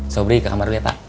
sobri ke kamar dulu ya pak